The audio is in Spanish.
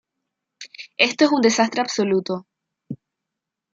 Esto es un desastre absoluto.